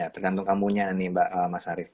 tergantung kamu nya nih mbak mas sarif